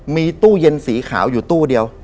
มีตู้เย็นสีขาวอยู่ตู้เดียว